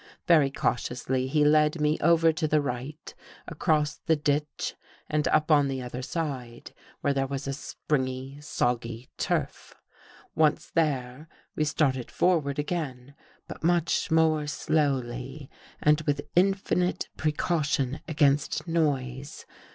Very cautiously, he led me over to the right, across the ditch and up on the other side, where there was a springy, soggy turf. Once there, we started forward again, but much more slowly and with infinite precaution against noise.